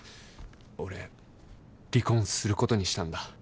俺離婚することにしたんだ。